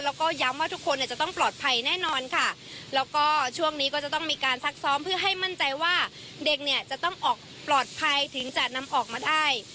แล้วก็ย้ำว่าทุกคนเนี่ยจะต้องปลอดภัยแน่นอนค่ะแล้วก็ช่วงนี้ก็จะต้องมีการซักซ้อมเพื่อให้มั่นใจว่าเด็กเนี่ยจะต้องออกปลอดภัยถึงจะนำออกมาได้